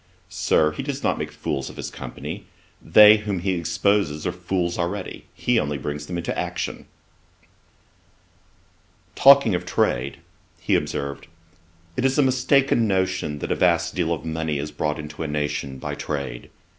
Sir, he does not make fools of his company; they whom he exposes are fools already: he only brings them into action.' Talking of trade, he observed, 'It is a mistaken notion that a vast deal of money is brought into a nation by trade.